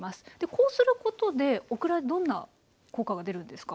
こうすることでオクラにどんな効果が出るんですか？